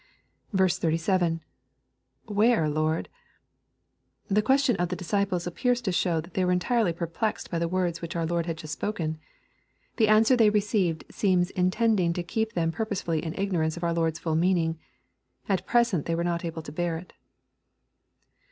—[ Where Lord f\ The question of the disciples appears to show that they were entirely perplexed by the words which our Lord had just spoken. The answer they received seems intended to keep them purposely in ignorance of our Lord's full meaning. At present they were not able to bear it.